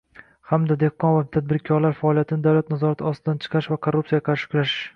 Hamda dehqon va tadbirkorlarning faoliyatini davlat nazorati ostidan chiqarish va korrupsiyaga qarshi kurashish